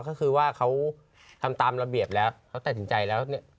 ก็คือว่าเขาทำตามระเบียบแล้วเขาตัดสินใจแล้วเนี่ย